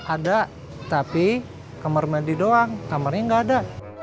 ada tapi kamar mandi doang kamarnya nggak ada